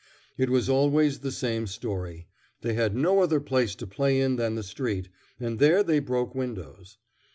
It was always the same story: they had no other place to play in than the street, and there they broke windows.